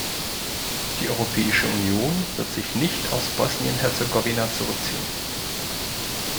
Die Europäische Union wird sich nicht aus Bosnien-Herzegowina zurückziehen.